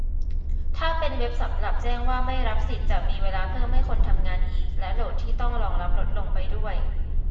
ถ้าเป็นเว็บสำหรับแจ้งว่าไม่รับสิทธิ์ จะมีเวลาเพิ่มให้คนทำงานอีก และโหลดที่ต้องรองรับลดลงไปด้วย